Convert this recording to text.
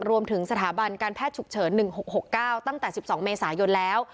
รวมถึงสถาบันการแพทย์ฉุกเฉินหนึ่งหกหกเก้าตั้งแต่สิบสองเมษายนแล้ว